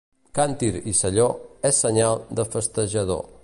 Càntir i selló és senyal de festejador.